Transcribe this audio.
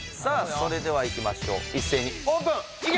それではいきましょう一斉にオープンいけ！